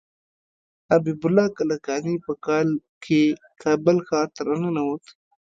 حبیب الله کلکاني په کال کې کابل ښار ته راننوت.